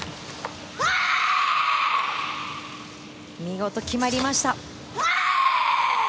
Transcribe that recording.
見事決まりました。